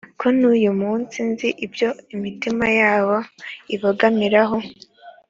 ko n’uyu munsi nzi ibyo imitima yabo ibogamiraho